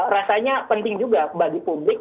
rasanya penting juga bagi publik